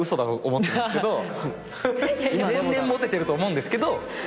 年々モテてると思うんですけど。